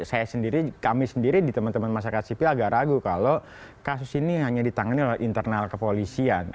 saya sendiri kami sendiri di teman teman masyarakat sipil agak ragu kalau kasus ini hanya ditangani oleh internal kepolisian